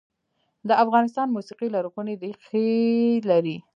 د افغانستان موسیقي لرغونې ریښې لري